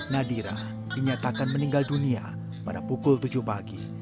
nadira dinyatakan meninggal dunia pada pukul tujuh pagi